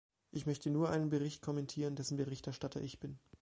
Ich möchte nur einen Bericht kommentieren, dessen Berichterstatter ich bin.